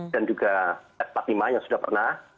dan juga pak tima yang sudah pernah